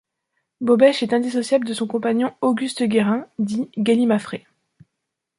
Bobèche est indissociable de son compagnon Auguste Guérin, dit Galimafré.